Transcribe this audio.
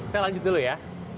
saya lanjut dulu ya